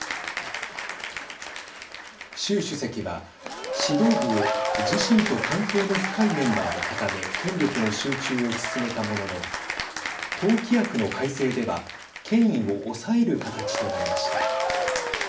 習主席は指導部を自身と関係の深いメンバーで固め権力の集中を進めたものの党規約の改正では権威を抑える形となりました。